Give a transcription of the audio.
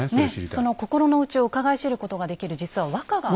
その心の内をうかがい知ることができる実は和歌が。